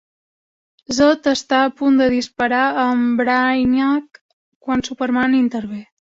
Zod està a punt de disparar a en Brainiac quan Superman intervé.